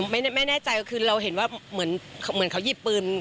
ไม่แน่ใจก็คือเราเห็นว่าเหมือนเขาหยิบปืน